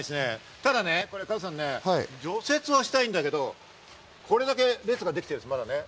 ただ、除雪をしたいんだけれども、これだけ列ができているんです、まだ。